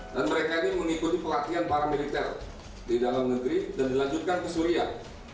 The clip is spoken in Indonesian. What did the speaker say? dan mereka ini mengikuti pelatihan para militer di dalam negeri dan dilanjutkan ke suriah